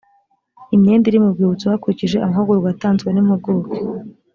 imyenda iri mu rwibutso hakurikijwe amahugurwa yatanzwe n impuguke